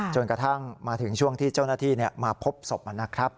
จนกระทั่งมาถึงช่วงที่เจ้าหน้าที่มาพบศพนะครับ